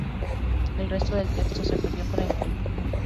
El resto del texto se perdió con el tiempo.